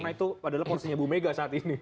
karena itu adalah porsinya ibu mega saat ini